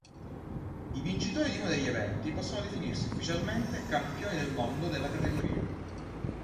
I vincitori di uno degli eventi possono definirsi ufficialmente campioni del mondo della categoria.